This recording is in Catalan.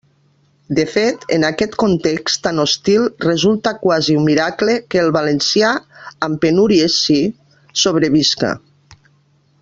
De fet, en aquest context tan hostil resulta quasi un «miracle» que el valencià —amb penúries, sí— sobrevisca.